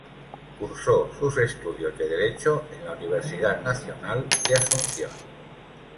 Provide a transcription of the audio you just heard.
Cursó sus estudios de derecho en la Universidad Nacional de Asunción.